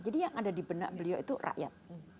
jadi yang ada di benak beliau itu rakyat